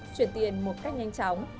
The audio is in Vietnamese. chuyển tiền một cách nhanh chóng